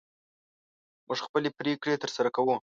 موږ خپلې پرېکړې تر سره کوو.